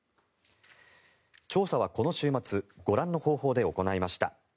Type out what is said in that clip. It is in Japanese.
調査はこの週末ご覧の方法で行いました。